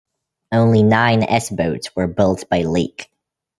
Only nine S-boats were built by Lake.